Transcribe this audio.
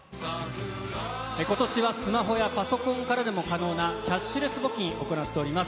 ことしはスマホやパソコンからでも可能なキャッシュレス募金を行っております。